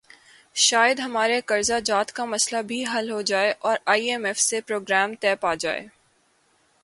شاید ہمارے قرضہ جات کا مسئلہ بھی حل ہو جائے اور آئی ایم ایف سے پروگرام طے پا جائے۔